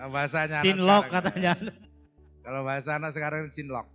bahasa anak sekarang itu cinlok